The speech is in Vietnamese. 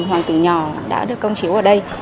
hoàng kỳ nhỏ đã được công chiếu ở đây